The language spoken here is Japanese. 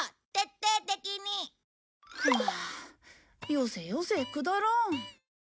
よせよせくだらん。